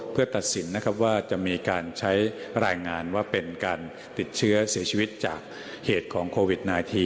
เพื่อตัดสินนะครับว่าจะมีการใช้รายงานว่าเป็นการติดเชื้อเสียชีวิตจากเหตุของโควิด๑๙